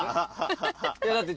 いやだって。